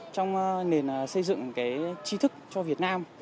trong nền xây dựng trí thức cho việt nam